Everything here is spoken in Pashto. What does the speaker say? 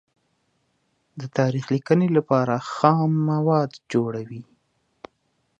د تاریخ لیکنې لپاره خام مواد جوړوي.